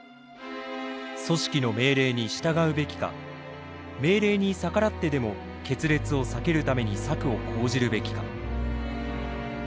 組織の命令に従うべきか命令に逆らってでも決裂を避けるために策を講じるべきか。